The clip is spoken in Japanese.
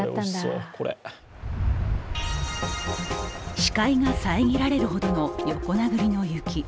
視界が遮られるほどの横殴りの雪。